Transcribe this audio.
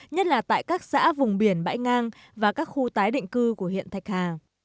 nhất là tại các xã vùng biển bãi ngang và các khu tái định cư của huyện thạch hà